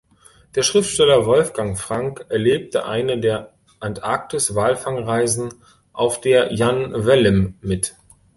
Der Schriftsteller Wolfgang Frank erlebte eine der Antarktis-Walfangreisen auf der "Jan Wellem" mit.